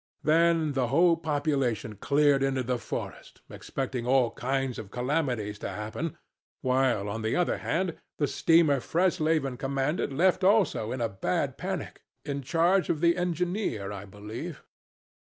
Then the whole population cleared into the forest, expecting all kinds of calamities to happen, while, on the other hand, the steamer Fresleven commanded left also in a bad panic, in charge of the engineer, I believe.